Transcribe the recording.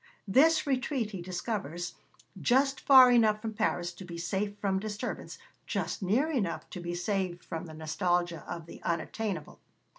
This retreat he discovers, just far enough from Paris to be safe from disturbance, just near enough to be saved from the nostalgia of the unattainable.